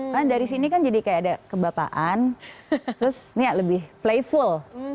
kan dari sini kan jadi kayak ada kebapaan terus ini lebih playful